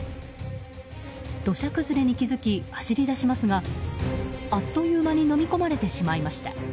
土砂崩れに気づき走り出しますがあっという間にのみ込まれてしまいました。